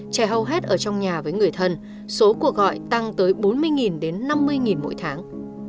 trẻ hầu hết ở trong nhà với người thân số cuộc gọi tăng tới bốn mươi đến năm mươi mỗi tháng